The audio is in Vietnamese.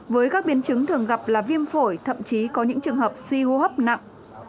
với các biến chứng thường gặp là viêm phổi thậm chí có những trường hợp suy hô hấp nặng